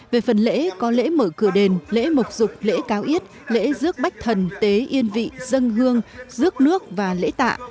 về phần lễ có lễ mở cửa đền lễ mộc dục lễ cao ít lễ dước bách thần tế yên vị dân hương dước nước và lễ tạ